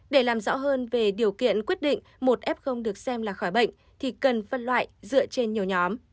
để làm rõ hơn về điều kiện quyết định một f được xem là khỏi bệnh thì cần phân loại dựa trên nhiều nhóm